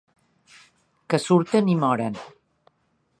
Que surten i moren.